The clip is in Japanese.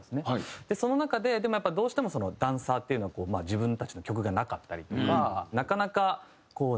その中ででもやっぱどうしてもダンサーっていうのは自分たちの曲がなかったりとかなかなかこうなんていうんですかね